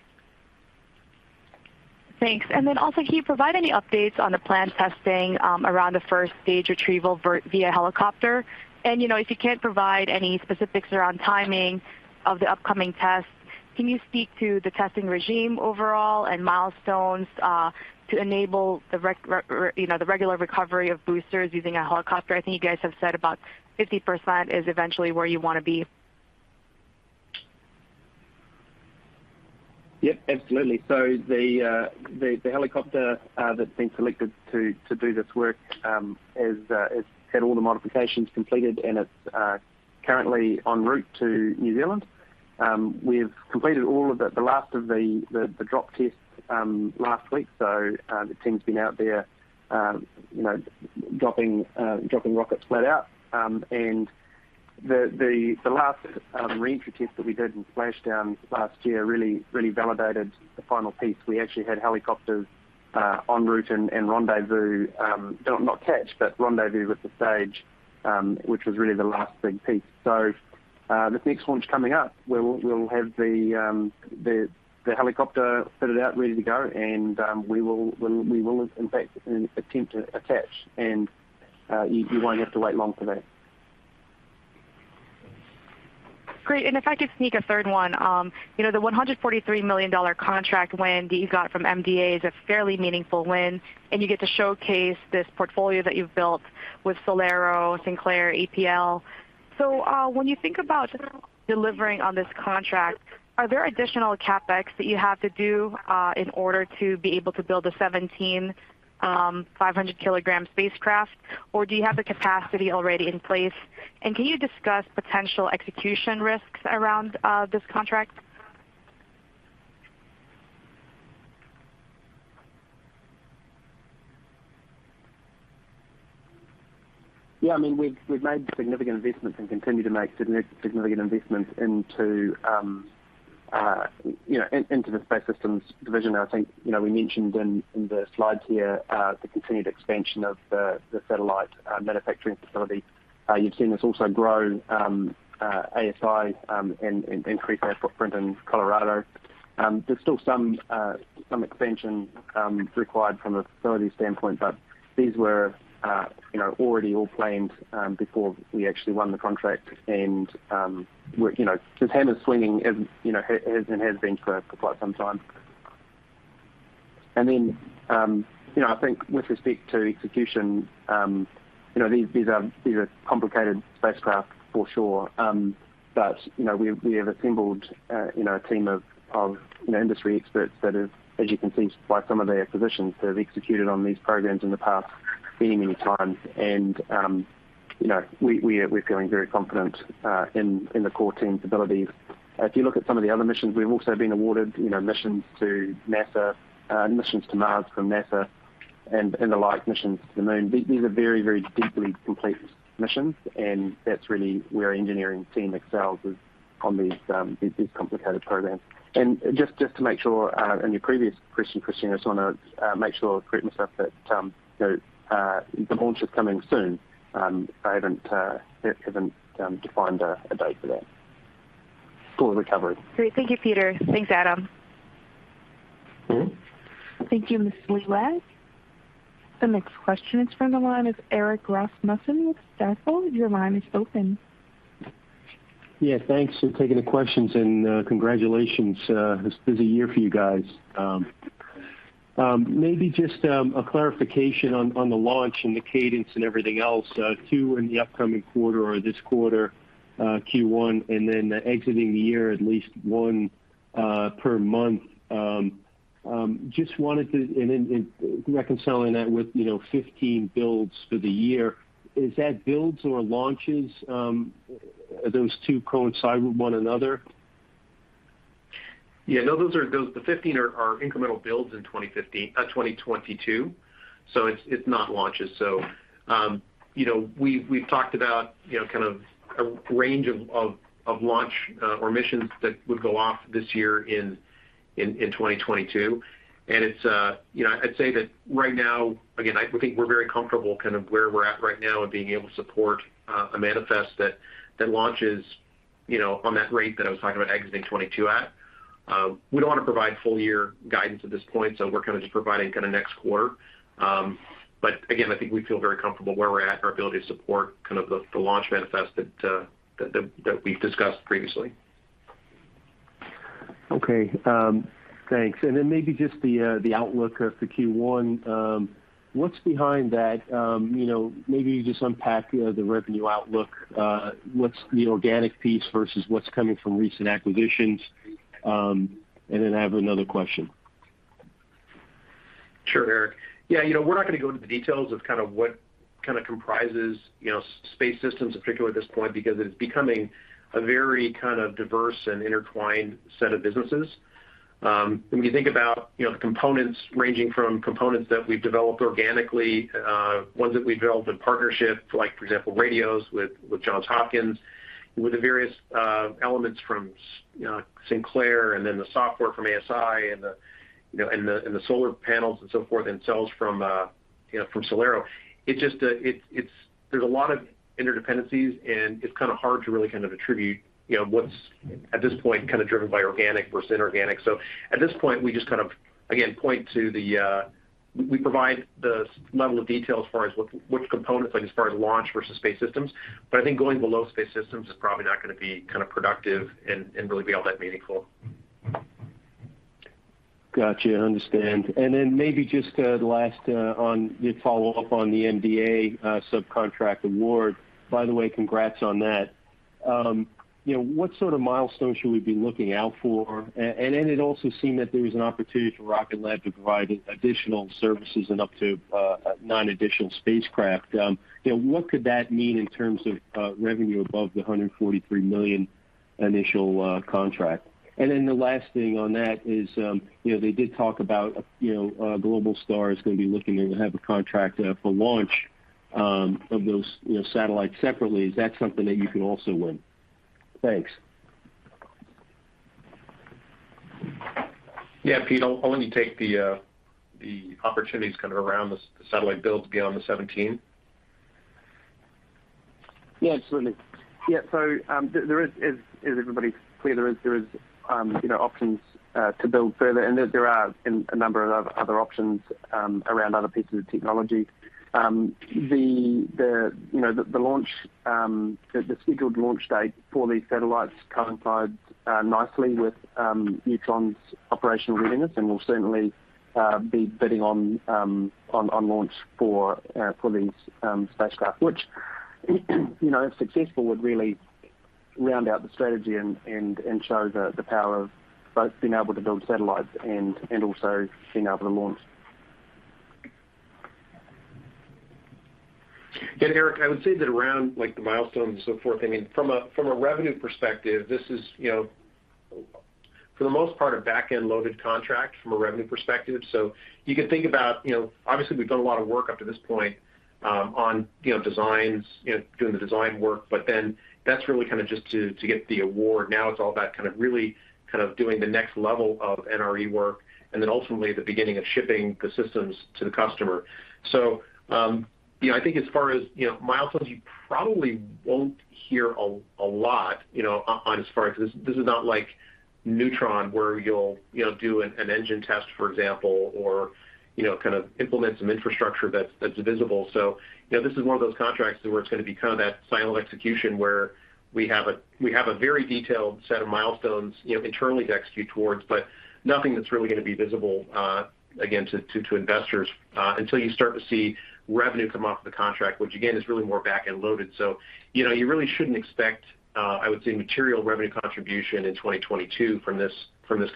Thanks. Then also, can you provide any updates on the planned testing around the first stage retrieval via helicopter? You know, if you can't provide any specifics around timing of the upcoming tests, can you speak to the testing regime overall and milestones to enable the recovery, you know, the regular recovery of boosters using a helicopter? I think you guys have said about 50% is eventually where you wanna be. Yep, absolutely. The helicopter that's been selected to do this work has had all the modifications completed, and it's currently en route to New Zealand. We've completed all of the last drop tests last week. The team's been out there, you know, dropping rockets flat out. The last reentry test that we did in splashdown last year really validated the final piece. We actually had helicopters en route and rendezvous, not catch, but rendezvous with the stage, which was really the last big piece. This next launch coming up, we'll have the helicopter fitted out, ready to go, and we will in fact attempt to attach. You won't have to wait long for that. Great. If I could sneak a third one. You know, the $143 million contract win that you got from MDA is a fairly meaningful win, and you get to showcase this portfolio that you've built with SolAero, Sinclair, APL. When you think about delivering on this contract, are there additional CapEx that you have to do in order to be able to build a 1,750-kilogram spacecraft? Or do you have the capacity already in place? Can you discuss potential execution risks around this contract? Yeah. I mean, we've made significant investments and continue to make significant investments into the space systems division. I think we mentioned in the slides here the continued expansion of the satellite manufacturing facility. You've seen us also grow ASI and increase our footprint in Colorado. There's still some expansion required from a facility standpoint, but these were already all planned before we actually won the contract. The hammer's swinging as you know has been for quite some time. I think with respect to execution these are complicated spacecraft for sure. We have assembled you know a team of you know industry experts that have, as you can see by some of the acquisitions, that have executed on these programs in the past many times. You know, we are feeling very confident in the core team's abilities. If you look at some of the other missions, we've also been awarded you know missions to NASA, missions to Mars from NASA and allied missions to the moon. These are very deeply complex missions, and that's really where our engineering team excels, is on these these complicated programs. Just to make sure on your previous question, Kristine, I just wanna make sure I correct myself that you know the launch is coming soon. I haven't defined a date for that. It's all recovery. Great. Thank you, Peter. Thanks, Adam. Mm-hmm. Thank you, Ms. Liwag. The next question is from the line of Erik Rasmussen with Stifel. Your line is open. Yeah, thanks for taking the questions, and congratulations. This is a year for you guys. Maybe just a clarification on the launch and the cadence and everything else. Two in the upcoming quarter or this quarter, Q1, and then exiting the year at least one per month. Just wanted to, reconciling that with, you know, 15 builds for the year. Is that builds or launches? Those two coincide with one another? Yeah. No, those are those. The 15 are incremental builds in 2022. It's not launches. We've talked about, you know, kind of a range of launch or missions that would go off this year in 2022. It's, you know, I'd say that right now, again, I think we're very comfortable kind of where we're at right now and being able to support a manifest that launches, you know, on that rate that I was talking about exiting 2022 at. We don't wanna provide full year guidance at this point, so we're kind of just providing kind of next quarter. Again, I think we feel very comfortable where we're at, our ability to support kind of the launch manifest that we've discussed previously. Okay. Thanks. Maybe just the outlook of the Q1. What's behind that? Maybe you just unpack the revenue outlook. What's the organic piece versus what's coming from recent acquisitions? I have another question. Sure, Erik. Yeah. You know, we're not gonna go into the details of kind of what kind of comprises, you know, space systems in particular at this point, because it's becoming a very kind of diverse and intertwined set of businesses. When you think about, you know, the components ranging from components that we've developed organically, ones that we've developed in partnership, like for example, radios with Johns Hopkins, with the various elements from Sinclair and then the software from ASI and the solar panels and so forth, and cells from SolAero. It's just, there's a lot of interdependencies and it's kind of hard to really kind of attribute, you know, what's at this point kind of driven by organic versus inorganic. At this point, we just kind of again point to that we provide the high-level of detail as far as what which components like as far as Launch versus Space Systems. I think going below Space Systems is probably not gonna be kind of productive and really be all that meaningful. Gotcha. I understand. Maybe just the last on the follow-up on the MDA subcontract award. By the way, congrats on that. You know, what sort of milestones should we be looking out for? It also seemed that there was an opportunity for Rocket Lab to provide additional services and up to nine additional spacecraft. You know, what could that mean in terms of revenue above the $143 million initial contract? The last thing on that is, you know, they did talk about, you know, Globalstar is gonna be looking to have a contract for launch of those, you know, satellites separately. Is that something that you can also win? Thanks. Yeah. Pete, I'll let you take the opportunities kind of around the satellite build beyond the 17? Is everybody clear? There are options to build further and that there are a number of other options around other pieces of technology. The scheduled launch date for these satellites coincides nicely with Neutron's operational readiness, and we'll certainly be bidding on launch for these spacecraft. Which, you know, if successful, would really round out the strategy and show the power of both being able to build satellites and also being able to launch. Yeah, Erik, I would say that around, like, the milestones and so forth, I mean, from a revenue perspective, this is, you know, for the most part, a back-end loaded contract from a revenue perspective. You can think about, you know, obviously we've done a lot of work up to this point, on, you know, designs, you know, doing the design work, but then that's really kind of just to get the award. Now it's all about kind of really kind of doing the next level of NRE work and then ultimately the beginning of shipping the systems to the customer. You know, I think as far as, you know, milestones, you probably won't hear a lot, you know, on as far as this. This is not like Neutron where you'll, you know, do an engine test, for example, or, you know, kind of implement some infrastructure that's visible. You know, this is one of those contracts where it's gonna be kind of that silent execution where we have a very detailed set of milestones, you know, internally to execute towards, but nothing that's really gonna be visible, again, to investors, until you start to see revenue come off the contract, which again, is really more back-end loaded. You know, you really shouldn't expect, I would say material revenue contribution in 2022 from this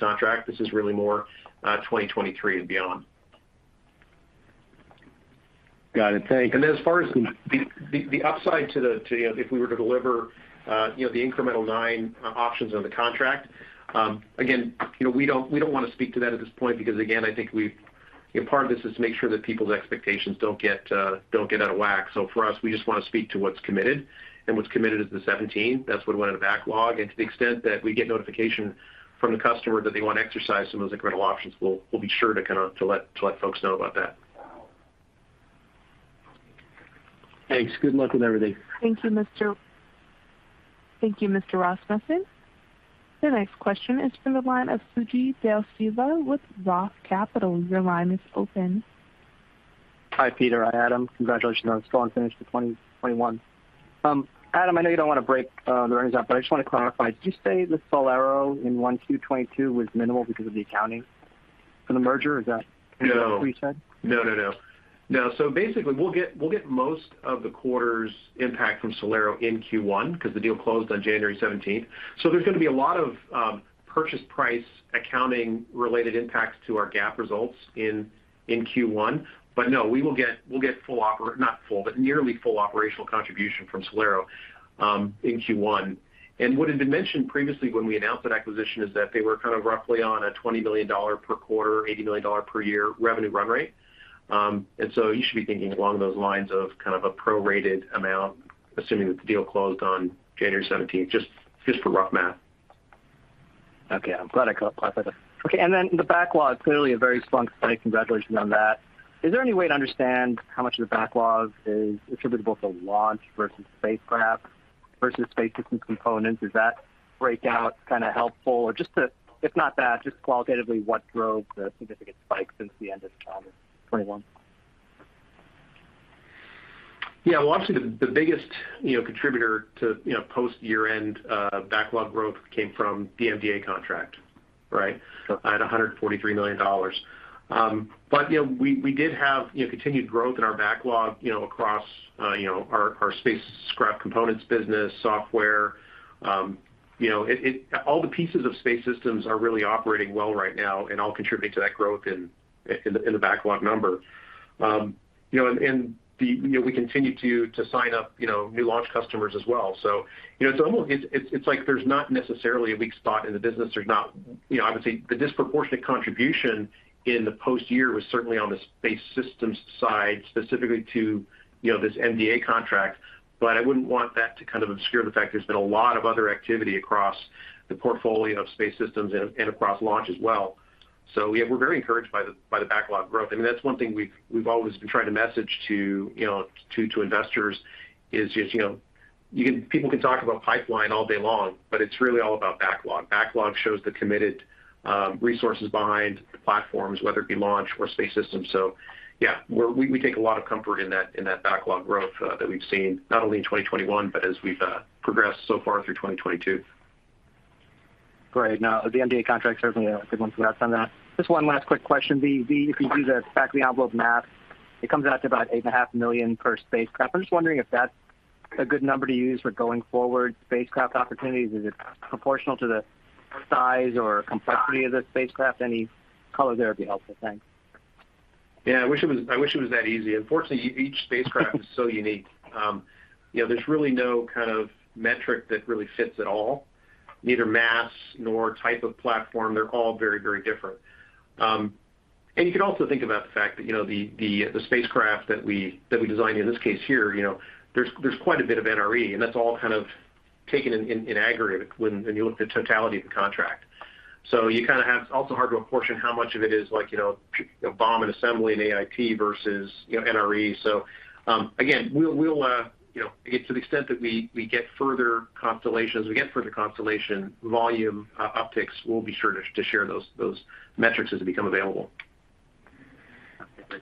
contract. This is really more, 2023 and beyond. Got it. Thank you. As far as the upside to the if we were to deliver you know the incremental nine options on the contract again you know we don't wanna speak to that at this point because again I think we've you know part of this is to make sure that people's expectations don't get out of whack. For us we just wanna speak to what's committed and what's committed is the 17. That's what went in the backlog. To the extent that we get notification from the customer that they wanna exercise some of those incremental options we'll be sure to kind of to let folks know about that. Thanks. Good luck with everything. Thank you, Mr. Rasmussen. The next question is from the line of Suji Desilva with Roth Capital. Your line is open. Hi, Peter and Adam. Congratulations on a strong finish to 2021. Adam, I know you don't wanna break the earnings up, but I just wanna clarify. Did you say that SolAero in Q1 2022 was minimal because of the accounting for the merger? Is that- No. What you said? No, no. No. Basically we'll get most of the quarter's impact from SolAero in Q1 'cause the deal closed on January 17. There's gonna be a lot of purchase price accounting related impacts to our GAAP results in Q1. No, we will get. Not full, but nearly full operational contribution from SolAero in Q1. What had been mentioned previously when we announced that acquisition is that they were kind of roughly on a $20 million per quarter, $80 million per year revenue run rate. You should be thinking along those lines of kind of a prorated amount, assuming that the deal closed on January 17, just for rough math. Okay. I'm glad I clarified that. Okay. The backlog, clearly a very strong display. Congratulations on that. Is there any way to understand how much of the backlog is attributable to launch versus spacecraft versus space system components? Is that breakout kind of helpful? Or just, if not that, just qualitatively what drove the significant spike since the end of 2021? Yeah. Well, obviously the biggest, you know, contributor to, you know, post-year-end backlog growth came from the MDA contract, right? Okay. At $143 million. But you know, we did have continued growth in our backlog across our spacecraft components business, software. All the pieces of space systems are really operating well right now and all contribute to that growth in the backlog number. You know, we continue to sign up new launch customers as well. You know, it's almost. It's like there's not necessarily a weak spot in the business. There's not. You know, obviously the disproportionate contribution in the past year was certainly on the space systems side, specifically to this MDA contract. I wouldn't want that to kind of obscure the fact there's been a lot of other activity across the portfolio of space systems and across launch as well. Yeah, we're very encouraged by the backlog growth. I mean, that's one thing we've always been trying to message to, you know, to investors is, you know, people can talk about pipeline all day long, but it's really all about backlog. Backlog shows the committed resources behind the platforms, whether it be launch or space systems. Yeah, we take a lot of comfort in that backlog growth that we've seen not only in 2021, but as we've progressed so far through 2022. Great. No, the MDA contract certainly a good one to have on that. Just one last quick question. If you do the back-of-the-envelope math, it comes out to about $8.5 million per spacecraft. I'm just wondering if that's a good number to use for going forward spacecraft opportunities. Is it proportional to the size or complexity of the spacecraft? Any color there would be helpful. Thanks. Yeah, I wish it was that easy. Unfortunately, each spacecraft is so unique. There's really no kind of metric that really fits at all, neither mass nor type of platform. They're all very, very different. You can also think about the fact that, you know, the spacecraft that we designed in this case here, you know, there's quite a bit of NRE, and that's all kind of taken in aggregate when you look at the totality of the contract. So you kind of have. It's also hard to apportion how much of it is like, you know, BOM and assembly and AIT versus, you know, NRE. Again, we'll, you know, to the extent that we get further constellations, we get further constellation volume upticks, we'll be sure to share those metrics as they become available.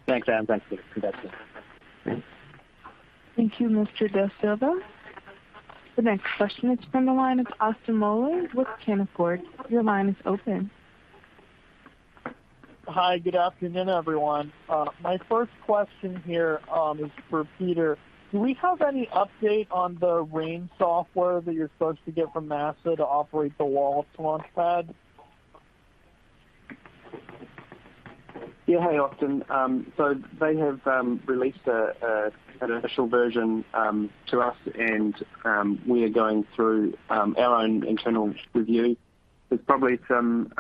Thanks, Adam. Thanks for the update. Great. Thank you, Mr. Desilva. The next question is from the line of Austin Moeller with Canaccord. Your line is open. Hi, good afternoon, everyone. My first question here is for Peter. Do we have any update on the range software that you're supposed to get from NASA to operate the Wallops launchpad? Yeah. Hey, Austin. They have released an initial version to us, and we are going through our own internal review. There's probably some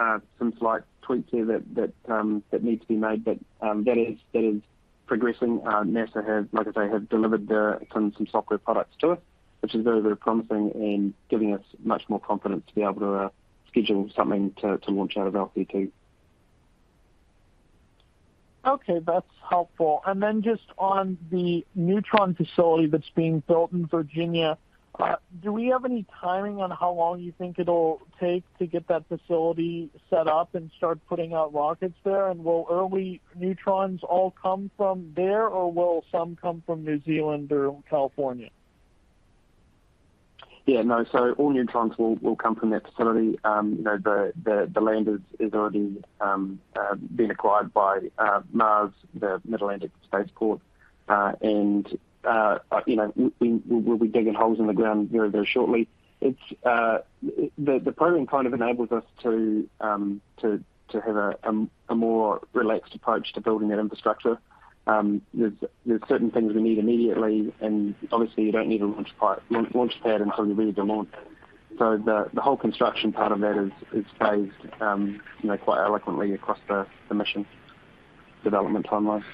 slight tweaks here that need to be made. That is progressing. NASA have, like I say, delivered some software products to us, which is very promising and giving us much more confidence to be able to schedule something to launch out of LC2. Okay, that's helpful. Then just on the Neutron facility that's being built in Virginia, do we have any timing on how long you think it'll take to get that facility set up and start putting out rockets there? Will early Neutrons all come from there, or will some come from New Zealand or California? Yeah, no. All Neutrons will come from that facility. The land is already been acquired by MARS, the Mid-Atlantic Regional Spaceport. You know, we will be digging holes in the ground very shortly. It's the program kind of enables us to have a more relaxed approach to building that infrastructure. There's certain things we need immediately, and obviously you don't need a launch pad until you're ready to launch. The whole construction part of that is phased quite eloquently across the mission development timelines.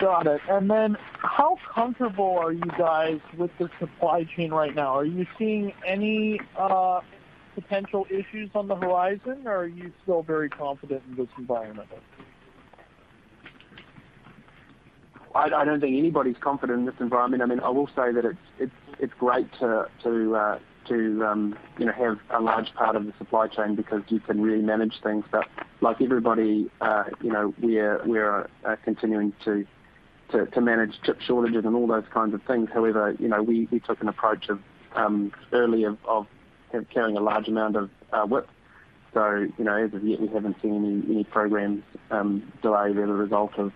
Got it. How comfortable are you guys with the supply chain right now? Are you seeing any potential issues on the horizon, or are you still very confident in this environment? I don't think anybody's confident in this environment. I mean, I will say that it's great to you know have a large part of the supply chain because you can really manage things. Like everybody you know we're continuing to manage chip shortages and all those kinds of things. However, you know, we took an early approach of carrying a large amount of WIP. As of yet, we haven't seen any programs delayed as a result of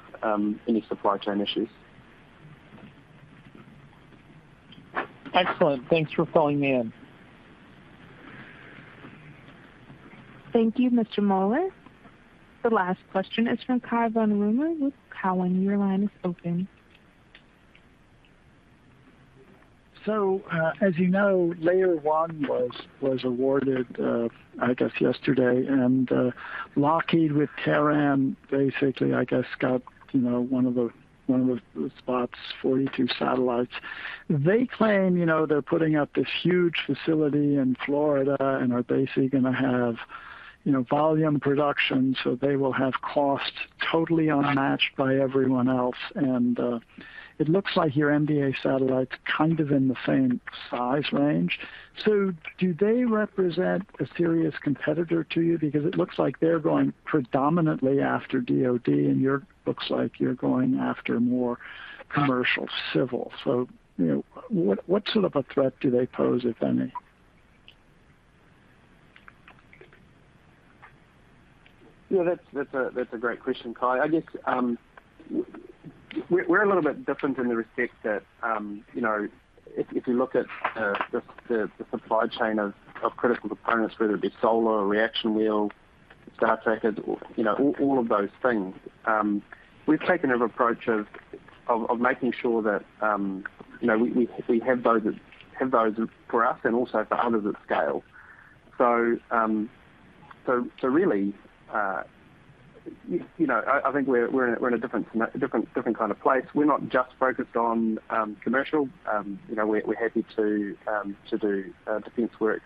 any supply chain issues. Excellent. Thanks for pulling me in. Thank you, Mr. Moeller. The last question is from Cai von Rumohr with Cowen. Your line is open. As you know, Layer 1 was awarded, I guess yesterday. Lockheed with Terran basically, I guess, got, you know, one of the spots, 42 satellites. They claim, you know, they're putting up this huge facility in Florida and are basically gonna have, you know, volume production, so they will have cost totally unmatched by everyone else. It looks like your SDA satellite's kind of in the same size range. Do they represent a serious competitor to you? Because it looks like they're going predominantly after DoD, and looks like you're going after more commercial civil. What sort of a threat do they pose, if any? Yeah, that's a great question, Cai. I guess, we're a little bit different in that respect that you know, if you look at the supply chain of critical components, whether it be solar or reaction wheels, star trackers, you know, all of those things, we've taken an approach of making sure that, you know, we have those for us and also for others at scale. Really, you know, I think we're in a different kind of place. We're not just focused on commercial. We're happy to do defense work,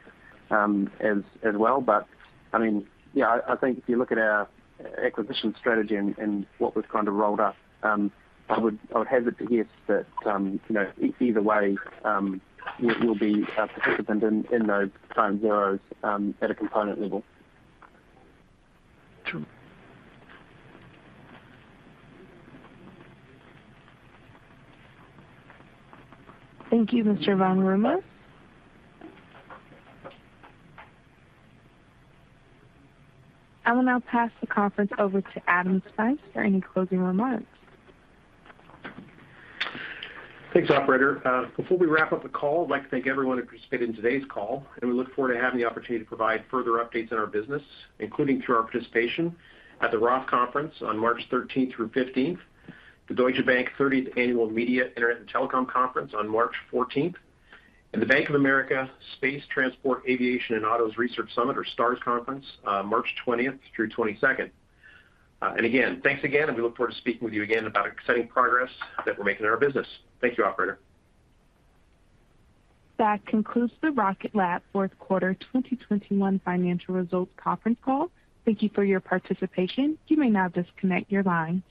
as well. I mean, yeah, I think if you look at our acquisition strategy and what we've kind of rolled up, I would hazard to guess that, you know, either way, we'll be a participant in those primes, at a component level. True. Thank you, Mr. von Rumohr. I will now pass the conference over to Adam Spice for any closing remarks. Thanks, operator. Before we wrap up the call, I'd like to thank everyone who participated in today's call, and we look forward to having the opportunity to provide further updates on our business, including through our participation at the ROTH Conference on March 13 through 15, the Deutsche Bank 30th Annual Media, Internet and Telecom Conference on March 14, and the Bank of America Space, Transport, Aviation, and Autos Research Summit or STARS Conference, March 20 through 22. Again, thanks again, and we look forward to speaking with you again about exciting progress that we're making in our business. Thank you, operator. That concludes the Rocket Lab Fourth Quarter 2021 Financial Results Conference Call. Thank you for your participation. You may now disconnect your lines.